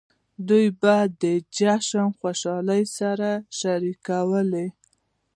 دوی به د جشن خوشحالۍ سره شریکولې.